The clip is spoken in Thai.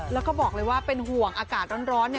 แล้วก็บอกเลยว่าเป็นห่วงอากาศร้อนเนี่ย